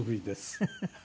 フフフフ。